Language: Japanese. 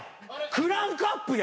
「クランクアップや」？